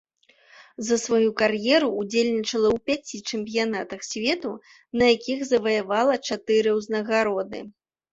За сваю кар'еру ўдзельнічала ў пяці чэмпіянатах свету, на якіх заваявала чатыры ўзнагароды.